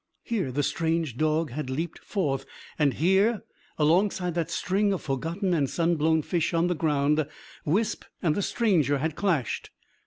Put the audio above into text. Here the strange dog had leapt forth; and here, alongside that string of forgotten and sun blown fish on the ground, Wisp and the stranger had clashed.